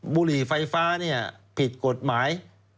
๑บุหรี่ไฟฟ้าเนี่ยผิดกฎหมาย